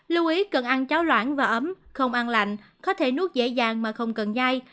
lưu ý cần ăn cháo loạn và ấm không ăn lạnh có thể nuốt dễ dàng mà không cần dai